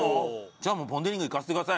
じゃあもうポン・デ・リングいかせてください